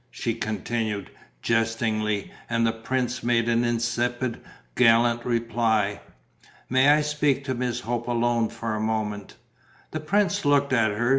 she continued, jestingly; and the prince made an insipid, gallant reply. "May I speak to Miss Hope alone for a moment?" The prince looked at her.